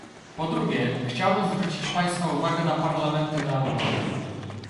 Po drugie, chciałbym zwrócić Państwa uwagę na parlamenty narodowe